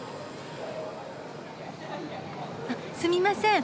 あっすみません。